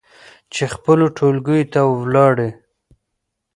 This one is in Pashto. چې خپلو ټولګيو ته ولاړې